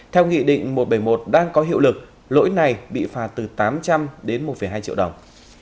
theo nghị định một trăm bảy mươi một đang có hiệu lực lỗi này bị phạt từ tám trăm linh đến một hai triệu đồng